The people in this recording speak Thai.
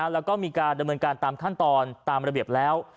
แล้วก็มีการดำเนินการตามขั้นตอนตามระเบียบแล้ว